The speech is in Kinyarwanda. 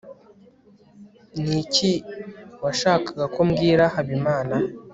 niki washakaga ko mbwira habimana